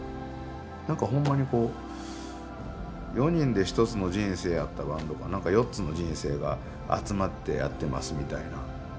なんかほんまにこう４人で１つの人生やったバンドがなんか４つの人生が集まってやってますみたいな。